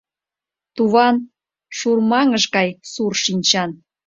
Туван шурмаҥыш гай сур шинчан.